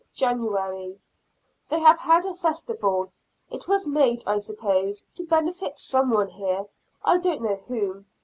January. They have had a festival; it was made, I suppose, to benefit some one here; I don't know whom.